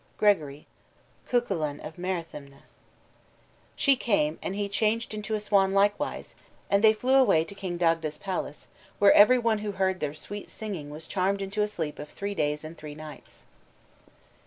'" GREGORY: Cuchulain of Muirthemne. She came, and he changed to a swan likewise, and they flew away to King Dagda's palace, where every one who heard their sweet singing was charmed into a sleep of three days and three nights.